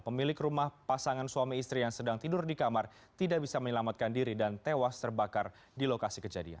pemilik rumah pasangan suami istri yang sedang tidur di kamar tidak bisa menyelamatkan diri dan tewas terbakar di lokasi kejadian